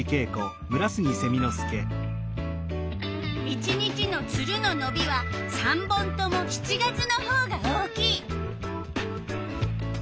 １日のツルののびは３本とも７月のほうが大きい。